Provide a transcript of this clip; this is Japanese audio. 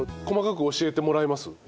細かく教えてもらえます？